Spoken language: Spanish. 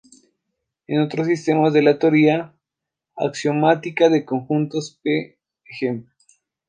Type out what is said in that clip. En otros sistemas de la teoría axiomática de conjuntos, p. ej.